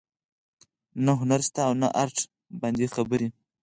نه هنر شته او نه ارټ باندې خبرې